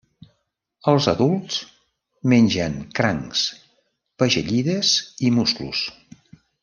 Els adults mengen crancs, pagellides i musclos.